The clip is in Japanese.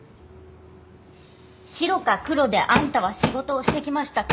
シロかクロであんたは仕事をしてきましたか？